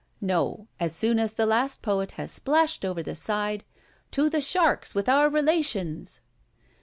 No: as soon as the last poet has splashed over the side, to the sharks with our relations!